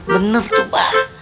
bener tuh bah